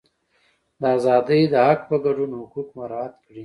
د ازادۍ د حق په ګډون حقوق مراعات کړي.